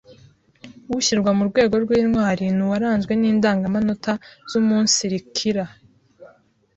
Ushyirwa mu rwego rw’intwari ni uwaranzwe n’indangamanota ziumunsirikira: